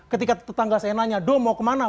ketika tetangga saya nanya do mau kemana